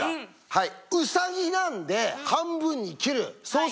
はい。